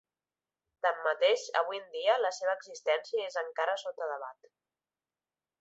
Tanmateix, avui en dia, la seva existència és encara sota debat.